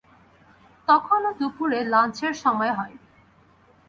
তখনো দুপুরে-ল্যাঞ্চের সময় হয় নি।